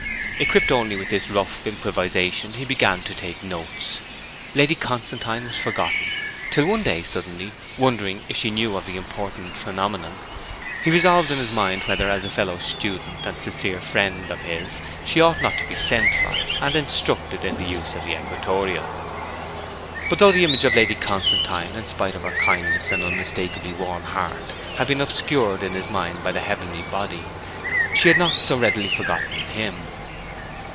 Equipped only with this rough improvisation he began to take notes. Lady Constantine was forgotten, till one day, suddenly, wondering if she knew of the important phenomenon, he revolved in his mind whether as a fellow student and sincere friend of his she ought not to be sent for, and instructed in the use of the equatorial. But though the image of Lady Constantine, in spite of her kindness and unmistakably warm heart, had been obscured in his mind by the heavenly body, she had not so readily forgotten him.